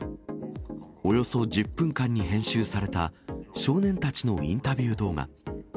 およそ１０分間に編集された少年たちのインタビュー動画。